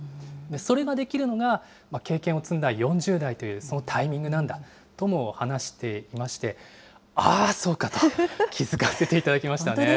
それができるのが、経験を積んだ４０代という、そのタイミングなんだとも話していまして、ああ、そうかと、気付かせていただきましたね。